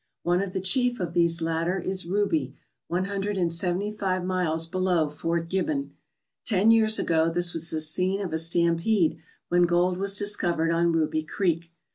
One of the chief of these latter is Ruby, one hundred and seventy five miles below Fort Gibbon. Ten years ago this was the scene of a stampede when gold was discovered on Ruby Creek.